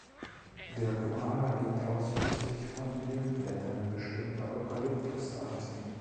Der Koala lebt ausschließlich von den Blättern bestimmter Eukalyptusarten.